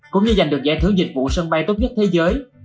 cũng như giành được giải thưởng dịch vụ sân bay tốt nhất thế giới